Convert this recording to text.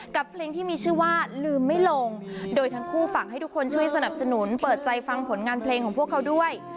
กับเพลงที่มีชื่อว่าลืมไม่ลงโดยทั้งคู่ฝากให้ทุกคนช่วยสนับสนุนเปิดใจฟังผลงานเพลงของพวกเขาด้วย